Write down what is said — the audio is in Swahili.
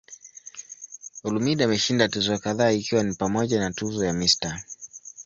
Olumide ameshinda tuzo kadhaa ikiwa ni pamoja na tuzo ya "Mr.